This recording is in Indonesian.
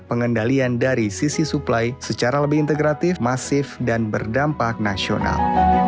pengendalian dari sisi suplai secara lebih integratif masif dan berdampak nasional